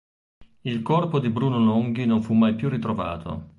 Il corpo di Bruno Longhi non fu mai più ritrovato.